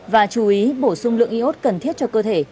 và chú ý bổ sung lượng iốt cần thiết cho cơ thể